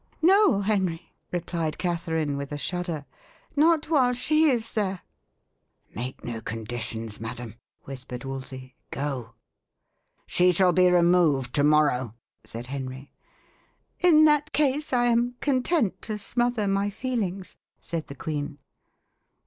"No, Henry," replied Catherine, with a shudder, "not while she is there." "Make no conditions, madam," whispered Wolsey. "Go." "She shall be removed to morrow," said Henry. "In that case I am content to smother my feelings," said the queen.